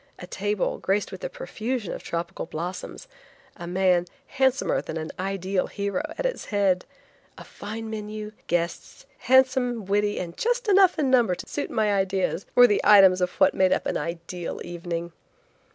A table, graced with a profusion of tropical blossoms–a man, handsomer than an ideal hero, at its head–a fine menu, guests, handsome, witty and just enough in number to suit my ideas, were the items of what made up an ideal evening.